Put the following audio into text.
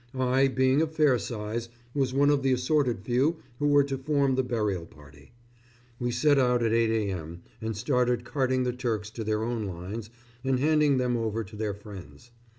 I, being of fair size, was one of the assorted few who were to form the burial party. We set out at 8 a.m., and started carting the Turks to their own lines and handing them over to their friends.